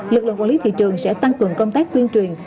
lực lượng quản lý thị trường sẽ tăng cường công tác tuyên truyền